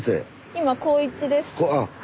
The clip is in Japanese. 今高１です。